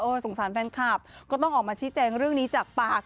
สงสารแฟนคลับก็ต้องออกมาชี้แจงเรื่องนี้จากปาก